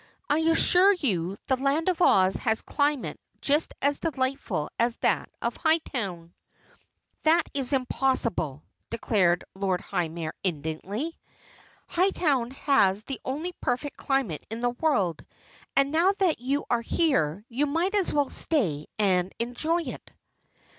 I assure you the Land of Oz has a climate just as delightful as that of Hightown." "That is impossible!" declared the Lord High Mayor indignantly. "Hightown has the only perfect climate in the world, and now that you are here, you might as well stay and enjoy it."